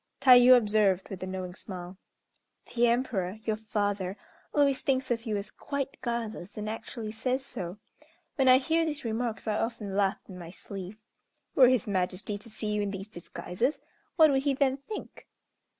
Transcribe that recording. Tayû observed, with a knowing smile, "The Emperor, your father, always thinks of you as quite guileless, and actually says so. When I hear these remarks I often laugh in my sleeve. Were his Majesty to see you in these disguises, what would he then think?"